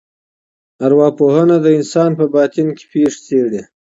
ارواپوهنه د انسان په باطن کي پېښي څېړي.